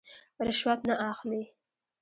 رشوت نه اخلي.